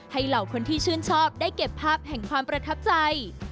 เหล่าคนที่ชื่นชอบได้เก็บภาพแห่งความประทับใจ